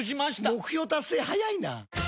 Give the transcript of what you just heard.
目標達成早いな！